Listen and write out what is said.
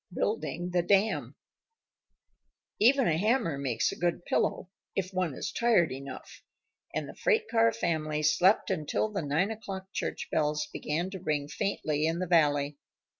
BUILDING THE DAM Even a hammer makes a good pillow if one is tired enough, and the freight car family slept until the nine o'clock church bells began to ring faintly in the valley.